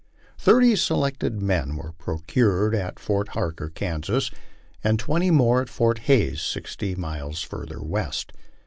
Thirty selected men were procured at Fort Harker, Kansas, and twenty more at Fort Hays, sixty miles further west.